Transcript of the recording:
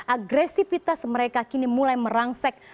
agresivitas mereka kini mulai merangsek